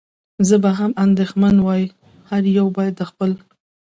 زه به هم اندېښمن وای، هر یو باید د خپل.